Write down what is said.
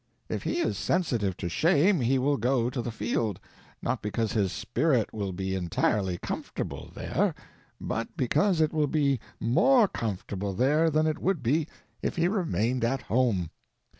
If he is sensitive to shame he will go to the field—not because his spirit will be entirely comfortable there, but because it will be more comfortable there than it would be if he remained at home.